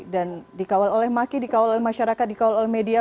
dan dikawal oleh maki dikawal oleh masyarakat dikawal oleh media